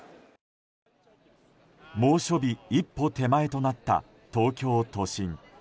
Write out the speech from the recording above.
猛暑日一歩手前となった東京都心。